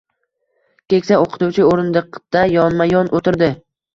Keksa oʻqituvchi oʻrindiqda yonma-yon oʻtirdi.